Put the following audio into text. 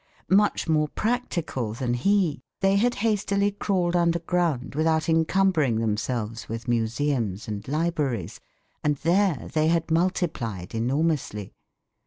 Much more practical than he, they had hastily crawled underground without encumbering themselves with museums and libraries, and there they had multiplied enormously.